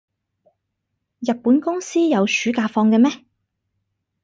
日本公司有暑假放嘅咩？